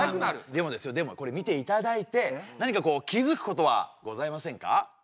でもですよでもこれを見ていただいて何かこう気づくことはございませんか？